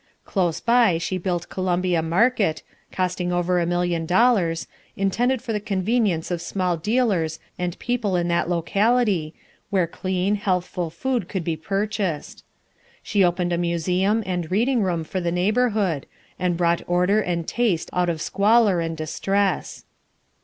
Close by she built Columbia Market, costing over a million dollars, intended for the convenience of small dealers and people in that locality, where clean, healthful food could be procured. She opened a museum and reading room for the neighborhood, and brought order and taste out of squalor and distress.